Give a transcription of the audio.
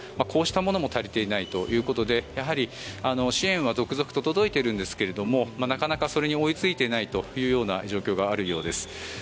こうしたものも足りていないということでやはり支援は続々と届いているんですがなかなかそれに追いついていないというような状況があるようです。